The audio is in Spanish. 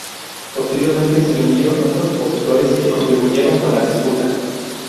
Posteriormente se le unieron otros opositores que contribuyeron con la disputa.